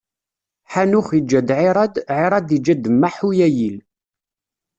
Ḥanux iǧǧa-d Ɛirad, Ɛirad iǧǧa-d Maḥuyayil.